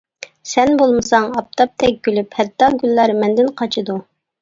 سەن بولمىساڭ ئاپتاپتەك كۈلۈپ، ھەتتا گۈللەر مەندىن قاچىدۇ.